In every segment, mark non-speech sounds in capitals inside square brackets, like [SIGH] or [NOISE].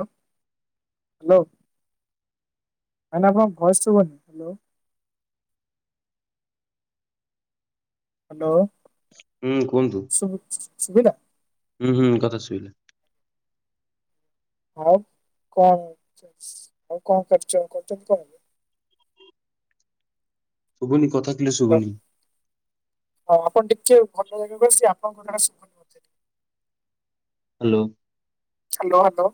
Hello ma'am ଆପଣଙ୍କ voice ଶୁଭୁନି hello. Hello. ହୁଁ କୁହନ୍ତୁ। ସୁବିଲା? ହୁଁ ହୁଁ କଥା ସୁବିଲା। ଆଉ କଣ ଆଉ କଣ କର କରୁଛନ୍ତି [UNINTELLIGIBLE] ସୁଭୁନି କଥା କ୍ଲିୟର ହ୍ୟାଲୋ ସୁଭୁନି। ହଁ ଆପଣ ଟିକେ ଭଲ ଜାଗାକୁ ଆସିବେ ଆପଣଙ୍କ କଥା ଟା ଶୁଭୁନି। ହ୍ୟାଲୋ। Hello hello.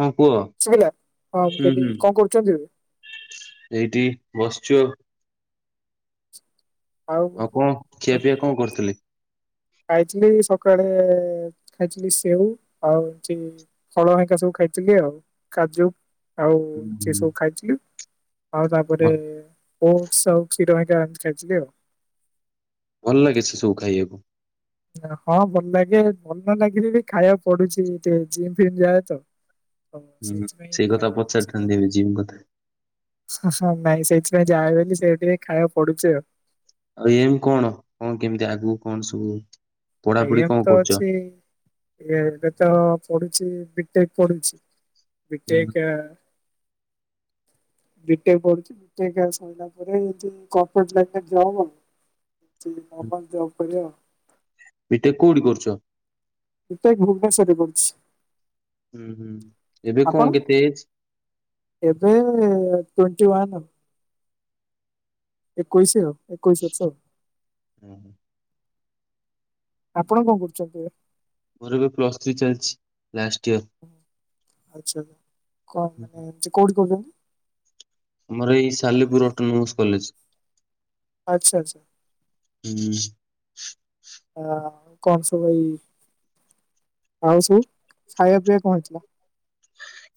ହଁ କୁହ ଶୁବିଲା ହଁ ମୁଁ କହିଲି କଣ କରୁଛନ୍ତି ଏବେ? ଏଇଟିି ବସିଚୁ ଆଉ [INAUDIBLE] ଆଉ କଣ ଖିଆ ପିଆ କଣ କରୁଥିଲେ? ଖାଇଥିଲି ସକାଳେ ଖାଇଥିଲି ସେଉ ଆଉ ହଉଛି ଫଳ ହରିକା ସବୁ। ଖାଇଥିଲି ଆଉ କାଜୁ ଆଉ ହୁଁ ସେ ହୁଁ ସବୁ ଖାଇଥିଲି ଆଉ ତାପରେ ଭ ଓ ସ ଆଉ ତିର ଭାଇ କା ଖାଇଥିଲି ଆଉ ଭଲ ଲାଗେ ସେ ସବୁ ଖାଇବାକୁ। ହଁ ଭଲ ଲାଗେ ଭଲ ନ ଲାଗିଲେ ବି ଖାଇବାକୁ ପଡୁଛି ଟେ ଜିମ୍ ଫିମ୍ ଯାଏ ତ। ହୁଁ ସେଇଥିପାଇଁ ସେଇ କଥା ଖାଇବାକୁ ପ ସ ପଚାରିଥାନ୍ତି କର ଏବେ ଜିମ୍ କଥା ହ ହ ନାଇଁ ସେଥିପାଇଁ ଯାହା ହେଲେ ବି ସେ ଟିକେ ଖାଇବାକୁ ପଡୁଛି ଆଉ। ଆଉ ଏମ କଣ କଣ କେମିତି ଆଗକୁ କଣ ସବୁ ପଢାପଢି ଏମ କଣ ତ କରୁଛ? ଅଛି ଏବେ ତ ଚ ପଢୁ ସେ ବିଟେକ ପଡୁଛି ହୁଁ ବିଟେକ୍ ଆ ବିଟେ ପଢୁଛି ଏଗଜାମ ସଇଲା ପରେ ଯଦି କପରେ ଲାଇନ ଯାଏ [UNINTELLIGIBLE] କ ପା ଯ ପ କରିବା ଆଉ ପିଟେକ୍ କଉଠୀ କରୁଛ? ପିଟେକ ଭୁବନେଶ୍ୱରରେ କରୁଛି। ହୁଁ ହୁଁ ଏବେ କଣ ଆପଣ କେତେ ଏଜ୍? ଏବେ ଟ୍ବେଣ୍ଟିୱାନ। ଏକୋଇଶି ଆଉ ଏକୋଇଶି ସଶ ଆପଣ କଣ କରୁଛନ୍ତି? ଏ ମୋର ଏବେ ପ୍ଲସ୍ ଥ୍ରୀ ଚାଲିଛି। Last year. ଆଛା କଣ ମାନେ କୋଉଠି କରୁଛନ୍ତି? ଆମର ଏଇ ସାଲେପୁର ଅଟନଉଚ କଲେଜ। ଆଛା ଆଛା ହୁଁ ହା କଣ ସବୁ ଏଇ ଆଉ ସବୁ ଖାଇବା ପିଇବା କଣ ହେଇଥିଲା?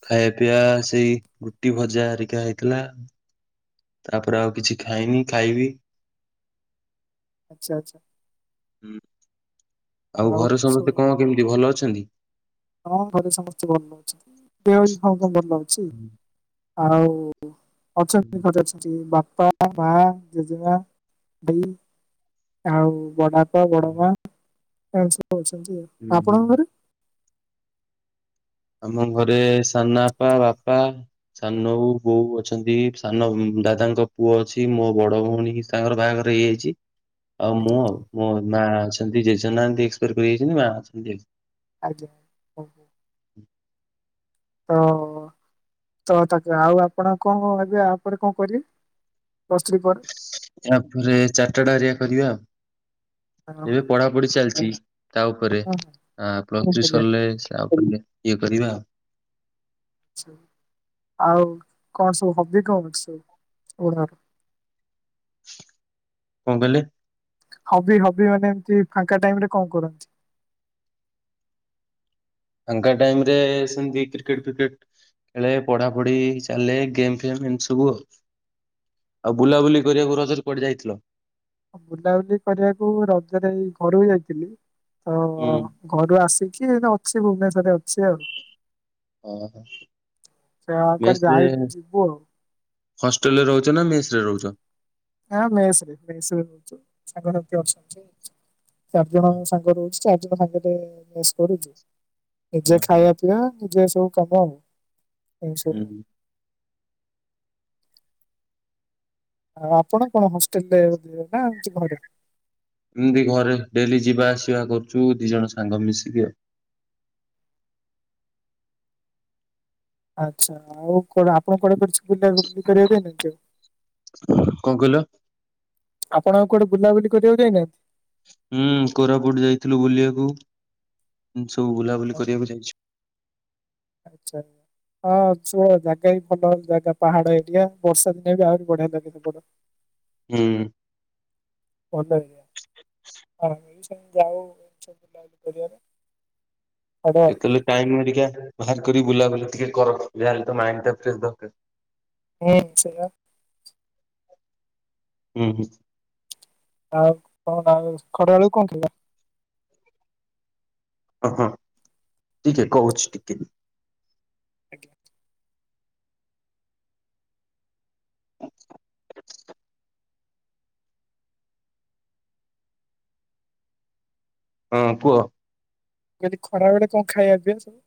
ଖାଇବା ପିଇବା ସେଇ ରୁଟି ଭଜା ହେରିକା ହେଇଥିଲା। ତାପରେ ଆଉ କିଛି ଖାଇନି ଖାଇବି। ଆଛା ଆଛା। ହୁଁ ଆଉ ଘରେ ସମସ୍ତେ ସବୁ କଣ କେମିତି ଭଲ ଅଛନ୍ତି? ହଁ ଘରେ ସମସ୍ତେ ଭଲ ଅଛନ୍ତି ଦେହ ବି ସମସ୍ତଙ୍କର ଭଲ ଅଛି। ହୁଁ ଆଉ ଅଛନ୍ତି ଘରେ ଅଛନ୍ତି ବାପା ପା ମା ଜେଜେମା ଦେଇ ଆଉ ବଡ ଆ ବାପା ବଡ ମା ଏମନେ ସବୁ ଅଛନ୍ତି ଆ ହୁଁ। ଆପଣଙ୍କ ଘରେ? ଆମ ଘରେ ସାନପା ବାପା। ସାନ ବୋଉ ବୋଉ ଅଛନ୍ତି ସାନ ଉ ଦାଦାଙ୍କ ପୁଅ ଅଛି ମୋ ବଡ ଭଉଣୀ ତାଙ୍କର ବାହାଘର ହେଇଯାଇଛି। ଆଉ ମୁଁ ଆଜ୍ଞା ଆଉ ମୋ ମା ଅଛନ୍ତି ଜେଜେ ନାହାନ୍ତି ଏସପାଟ କରିଯାଇଛନ୍ତି ମା ଅଛନ୍ତି ଆଉ। ଆଜ୍ଞା ହଉ। ହଁ। ତ ତାକୁ ଆଉ ଆପଣ କଣ ଏବେ ଆପରେ କଣ କରିବେ? ପ୍ଲସ ଥ୍ରୀ ପରେ? ତାପରେ ଚାରିଟା ଟା ଏରିଆ କରିବା ଆଉ। ହଁ ହଁ ଏବେ ପଢାପଢି ଚାଲିଛି। ତା ଉପରେ ହଁ, ହଁ, ପ୍ଲସ ଥ୍ରୀ ଆଜ୍ଞା ସରିଲେ ତା ଉପରେ ଇଏ କରିବା ଆ। ଆଛା। ଆଉ କଣ ସବୁ ହବି କଣ ସବୁଣର? କଣ କହିଲେ? ହବି ହବି ମାନେ ଏମତି ଫାଙ୍କା ଟାଇମରେ କଣ କରନ୍ତି? ଫାଙ୍କା ଟାଇମରେ ସେମିତି କ୍ରିକେଟ ଫ୍ରିକେଟ ଖେଳେ ପଢାପଢି ଚାଲେ ଗେମ ଫେମ ସବୁ ଆଉ ବୁଲାବୁଲି କରିବାକୁ ରଜରେ କୁଆଡେ ଯାଇଥିଲ? ବୁଲାବୁଲି କରିବାକୁ ରଜରେ ଏଇ ଘରୁକୁ ଯାଇଥିଲି। ତ ହୁଁ। ଘରୁ ଆସିକି ଅଛି ଭୁବନେଶ୍ଵରରେ ଅଛି ଆଉ। ଓହୋ ସେ ଆଉ କୁଆଡେ ଯାଇ ଯିବୁ ଆଉ। ହଷ୍ଟେଲରେ ରହୁଛ ନା ମେସରେ ରହୁଛ? ହଁ ମେସରେ ମେସରେ ରହୁଛୁ ସାଙ୍ଗ ସାଥୀ ଚାରିଜଣ ସାଙ୍ଗରେ ରହୁଛି ଚାରି ଜଣ ସାଙ୍ଗରେ ମେସ କରୁଛୁ। ହଁ ନିଜେ ହଁ। ଖାଇବା ପିଇବା ନିଜେ ସବୁ କାମ ଆଉ, ଏମିତି ସବୁ। ହୁଁ ଆଉ ଆପଣ କଣ ହଷ୍ଟେଲରେ ନା ଘରେ? ଏମିତି ଘରେ ଡେଲି ଯିବାଆସିବା କରୁଛୁ ଦି ଜଣ ସାଙ୍ଗ ମିଶିକି ଆଉ। ହ ଆଚ୍ଛା ଆଉ କଣ ଆପଣ କଣ କର। ବୁଲାବୁଲି କରିବାକୁ ଦେଇ ଆଉ। କଣ କହିଲ ଆପଣ। କୋଆଡେ ବୁଲାବୁଲି କରିବାକୁ ଯାଇନାହା ହୁଁ କୋରାପୁଟ ଯାଇଥିଲୁ ବୁଲିବାକୁ। ସବୁ ବୁଲାବୁଲି କରିବାକୁ ଯାଇଛୁ। ଆଛା। ହଁ ଛୁ ଜାଗା ବି ଭଲ ଜାଗା ପାହାଡ ଏରିଆ ବର୍ଷା ଦିନେ ବି ଆହୁରି ବଢିଆ ଲାଗେ ବଡ ହୁଁ। ଭଲ ଏଇଆ ହଁ ଏଇ ସାଙ୍ଗେ ଯାଉ ସବୁ ବୁୁଲା କରିବାର। କେତେଥିଲ ଟାଇମ୍ [UNINTELLIGIBLE] ବାହାର କରି ବୁଲାବୁଲି ଟିକେ କର ଯାହେଲେ ମାଇଣ୍ଡଟା ଫ୍ରି ଦରକାର। ହୁଁ ସେଇୟା। ହୁଁ ହୁଁ। ଆଉ କଣ ଖଡବେେଳକୁ କଣ ଥିଲା? ଅ ହଁ କହୁଛି ଟିକେ। ଆଜ୍ଞା। ହଁ ପୂହ। ଯଦି ଖରାବେଳେ କଣ ଖାଇବାପିଇବା ସବୁ?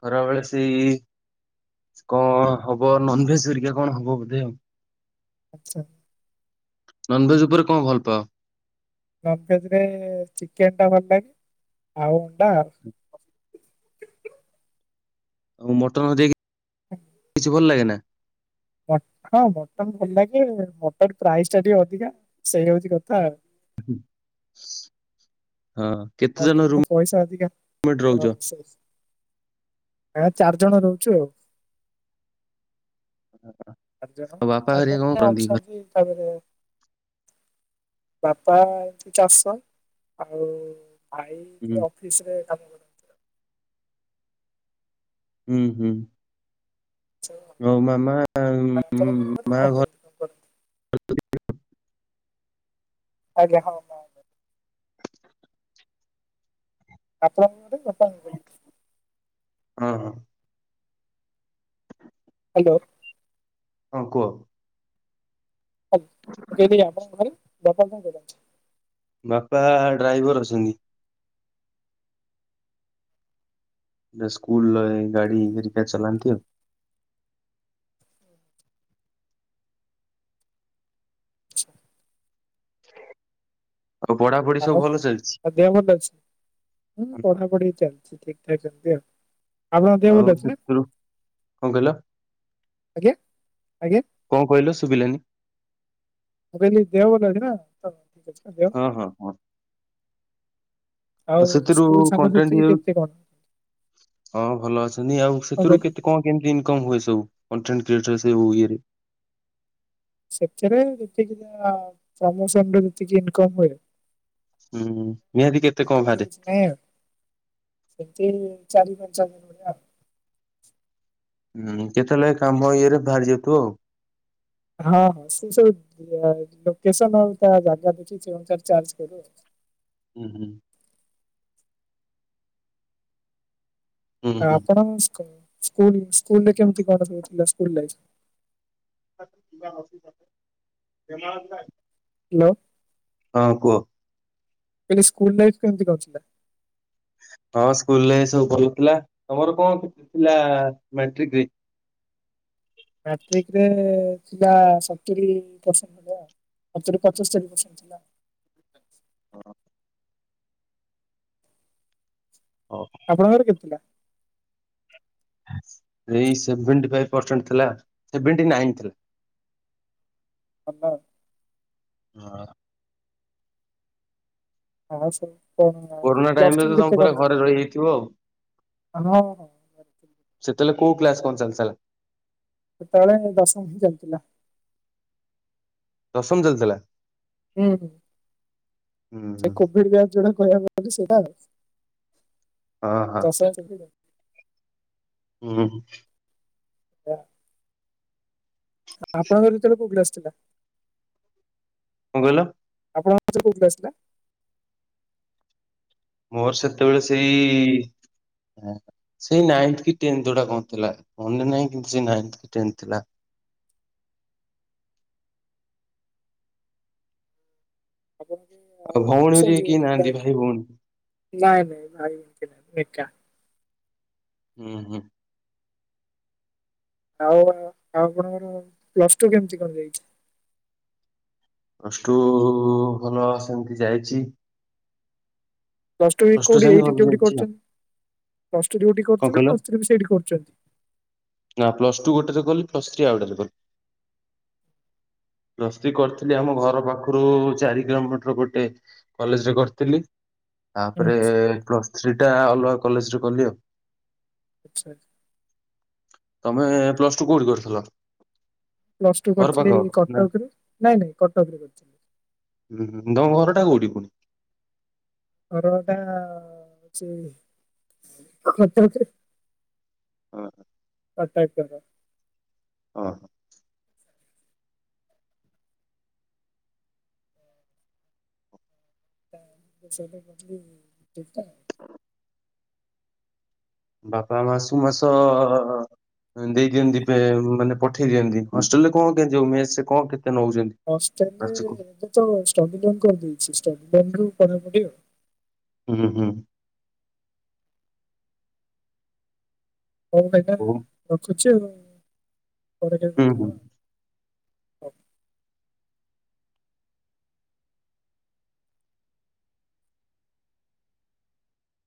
ଖରାବେେଳେ ସେଇ କଣ ହବ ନନଭେଜ ହେରିକା କଣ ହବ ବୋଧେ ଆଉ। ଆଚ୍ଛା। ନନଭେଜ ଉପରେ କଣ ଭଲ ପାଅ? ନମଭେଜରେ ଚିକେନଟା ଭଲ ଲାଗେ ଆଉ ଅଣ୍ଡା। ଆଉ ମଟନ ଦେଇକି ହ କି ଭଲ ଲାଗେ ନା? ହଁ ମଟନ ଭଲ ଲାଗେ ମଟନ ପ୍ରାଇସ୍ ଟା ଟିକେ ଅଧିକା ସେଇ ହଉଛି କଥା ଆଉ। ହୁଁ। ମଟନ ପଇସା ଅଧିକା। ରୁମମେଟ ରହୁଛ? ଚାରି ଜଣ ରହୁଛୁ ଆଉ। ଚାର୍ଜଣ ଆଉ ବାପା ହେରିକା କଣ ଚାର୍ଜଣ କରନ୍ତି ଘରେ? ଅଛନ୍ତି ତାପରେ ବାପା ଏଠୁ ଚାରିଶହ ଆଉ ଭାଇ ହୁଁ ଯେ ଅଫିସରେ କାମଥିଲା। ହୁଁ ହୁଁ। ହଉ ମାମା ଆପଣଙ୍କର ଘରେ ମା କଣ ଘର। କେମିତି କଣ କରନ୍ତି? ଆଜ୍ଞା। ହଁ ହଁ, ଆପଣଙ୍କ ବର୍ଷା ହଉନି ଜମା। ହଁ ହ। ହ୍ୟାଲୋ। ହଁ, କୁହ ଆଜ୍ଞା, ମୁଁ କହିଲି ଆପଣଙ୍କ ଘରେ ବାପା କଣ କରନ୍ତି? ବାପା ଡ୍ରାଇଭର ଅଛନ୍ତି। ସେ ସ୍କୁଲରେ ଗାଡି ହେରିକା ଚଲାନ୍ତି ଆଉ। [INAUDIBLE] ଆଉ ପଢାପଢି ସବୁ ଆଉ, ଭଲ ଚାଲିଛି? ଆଉ ଦେହ ଭଲ ଅଛି? ହୁଁ ପଢ଼ାପଢ଼ି ଚାଲିଛି ଠିକ୍। [UNINTELLIGIBLE] ଆଉ ସେଥିରୁ କଣ କହିଲ? ଆଜ୍ଞା ଆଜ୍ଞା। କଣ କହିଲ ଶୁଭିଲାନି। ମୁଁ କହିଲି [UNINTELLIGIBLE] ଦେହ ହଁ ହଁ ହଁ। ଆଉ ସେଥିରୁ ସ୍କୁଲ କଣ୍ଟେଟ୍ ସାଙ୍ଗସାଥି ଭିଉ କେତେ କଣ କଣ ହଁ ଭଲ ଅଛନ୍ତି ଆଉ କହିଲେ? ସେଥିରୁ କଣ କେମତି ଇନକମ ହୁଏ ସବୁ? କଣ୍ଟେଣ୍ଟ କ୍ରିଏଟର୍ସ ସେ ଉୟରେ ସେଥିରେ ଯେତିକି ଯାଏ ପ୍ରମୋସନରେ ଯେତିକି ଇନକମ ହୁଏ। ହୁଁ, ନିହାତି କେତେ କଣ ବାହାରେ। ତିନିରୁ ଚାରି ପାଞ୍ଚ [INAUDIBLE] ହଜାର ନାଇଁ କେତେବେଳେ କାମ ଇଏରେ ବାହାରି ଯାଇଥିବ ଆଉ ହାଁ ହଁ ସେ ସବୁ ଏଇ ଲୋକେସନ ଆଉ ତା ଜାଗା ଦେଖଛି ସେ ଅନୁସାରେ ଚାର୍ଜ ନେବେ ହୁଁ ହୁଁ। ହୁଁ ଆ ହୁଁ। ଆପଣଙ୍କ ସ୍କୁଲ ସ୍କୁଲରେ କେମିତି କଣ କରଥିଲ ସ୍କୁଲ ଲାଇଫ? [UNINTELLIGIBLE] ହାଲୋ। ହଁ କୁହ? ସ୍କୁଲ ଲାଇଫ କେମିତି କଣ ଥିଲା?? ହଁ ସ୍କୁଲରେ ସବୁ ଭଲ ଥିଲା। ତମର କ'ଣ ଥିଲା ମେଟ୍ରିକ୍ ରେ? ମାଟ୍ରିକରେ ଏ ଏ ଥିଲା ସତୁରି ପରସେଣ୍ଟ ଥିଲା। ସତୁରି ପଞ୍ଚସ୍ତରୀ ପରସେଣ୍ଟ ଥିଲା। ହ। ଆପଣଙ୍କର କେତେ ଥିଲା? ଏଇ ସେଭେଣ୍ଟି ଫାଇଫ୍ ପରସେଣ୍ଟ ଥିଲା, ସେଭେଣ୍ଟି ନାଇନ୍‌ ଥିଲା। ଭଲ ହଁ। ଆଉ ସତାବନ କୋରୋନା ଟାଇମରେ ପ୍ଲାଷଟୁ ରେ ତ ତମେ କେତେ ପୁରା କଣ ଘରେ ଥିଲା? ରହିଯାଇଥିବ ଆଉ ହଁ ହ କରିଥିଲି। ତାହାଲେ କୋଉ କ୍ଲାସ କଣ ଚାଲିଥିଲା? ସେତେବେଳେ ଦଶମ ହିଁ ଚାଲିଥିଲା। ଦଶମ ଚାଲୁଥିଲା? ହୁଁ ହୁଁ ହୁଁ ସେ ହୁଁ କୋଭିଡ଼ ବେଞ୍ଚ ଯେଉଁଟା ଗଲା ବର୍ଷ ସେଇଟା ଆଉ। ହଁ ହଁ [UNINTELLIGIBLE] ହୁଁ ହୁଁ। ଅ ଆ ଆପଣଙ୍କର ସେତେବେଳେ କୋଉ କ୍ଲାସ ଥିଲା? କଣ କହିଲ? ଆପଣଙ୍କର ସେତେବେଳେ କୋଉ କ୍ଲାସ ଥିଲା? ମୋର ସେତେବେଳେ ସେଇ ସେଇ ନାଇନ୍ କି ଟେନ ଯୋଉଟା କହୁଥିଲା କଣ ଥିଲା କେ ନାଇଁ କି ଟେନଥ ଥିଲା। ଆପଣ ଆଉ ଭଉଣୀରେ ଆସନ୍ତୁ କିଏ ନାହାନ୍ତି ଭାଇ ଭଉଣୀ? ନାଇଁ ନାଇଁ ଭାଇ ଭଉଣୀ କେହି ନାହାନ୍ତି ମୁଁ ଏକା। ହୁଁ ହୁଁ। ଆଉ ଆଉ ଆପଣଙ୍କର ପ୍ଲସ ଟୁ କେମିତି କଣ ଯାଇଚି? ପଲଷ୍ଟୁ ଭଲ ସେମିତି ଯାଇଚି। ପ୍ଲଟୁ କୋଉଠି ସେମିତି ଏଇଠି ଭଲ କୋଉଠି ଯାଇଛି ଆଉ। କରିଚନ୍ତି? ପ୍ଲଟୁ କଣ କହିଲ ନା ପ୍ଲସ ଟୁ ଗୋଟେରେ କଲି ପ ସ୍ତ୍ରୀ ଆଉ [INAUDIBLE] ପ୍ଳ ଥ୍ରି କରିଥିଲି ଆମ ଘର ପାଖରୁ ଚାରି କିଲୋମିଟର ଗୋଟେ କଲେଜରେ କରିଥିଲି। ହୁଁ ହୁଁ ତାପରେ ପ୍ଲସ୍ ଥ୍ରୀ ଟା ଅଲଗା କଲେଜରେ କଲି ଆଉ। ଆଚ୍ଛା। ତମେ ପ୍ଲସ ଟୁ କୋଉଠି କରିଥିଲ? ପ୍ଲସ ଟୁ ଘର ପାଖ କରିଥିଲି ନା କଟକରେ ନାଇଁ ନାଇଁ କଟକରେ କରିଥିଲି। ହୁଁ ତମ ଘର ଟା କୋଉଠି ପୁଣି? ପରେ ଏଟା ହଉଛି ହଁ। ଅଟାକ୍ କର। ହଁ ହଁ। ଠିକ ଠାକ୍ ବାପା ମାସକୁ ମାସ ଦେଇ ଦିଅନ୍ତି ମାନେ ପଠେଇ ଦିଅନ୍ତି ହଷ୍ଟେଲରେ କଣ କେ ମ କଣ କେତେ ନଉଛନ୍ତି ଅଷ୍ଟ୍ରେଲିଆ ମାସକୁ? ଏବେ ତ ଷ୍ଟଡିିଲଣ୍ଡ କଣ ଦେଇଛି ଷ୍ଟଡିିଲଣ୍ଡ ରୁ ପ ପଠିବ ହୁଁ ହୁଁ। ହଉ ଭାଇନା ଓ ରଖୁଛି ପରେ ହୁଁ କଥା ହୁଁ। ହବା। ହଁ।